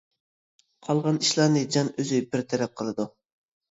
قالغان ئىشلارنى جان ئۆزى بىر تەرەپ قىلىدۇ.